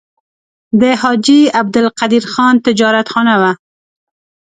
د حاجي عبدالقدیر خان تجارتخانه وه.